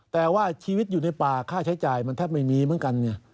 แต่ว่าชีวิตอยู่ในป่าค่าใช้จ่ายมันแทบไม่มีเหมือนกัน